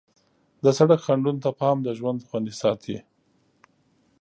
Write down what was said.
د سړک خنډونو ته پام د ژوند خوندي ساتي.